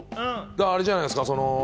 あれじゃないですか？